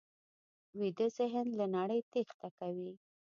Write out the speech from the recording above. ویده ذهن له نړۍ تېښته کوي